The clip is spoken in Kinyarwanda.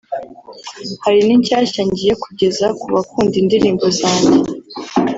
hari n’inshyashya ngiye kugeza ku bakunda indirimbo zanjye